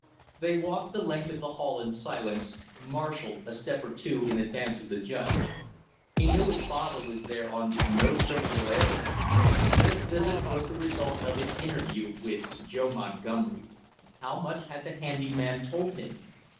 They walked the length of the hall in silence, Marshall a step or two in advance of the judge. He knew his father was there on no trivial errand. This visit was the result of his interview with Joe Montgomery. How much had the handy man told him?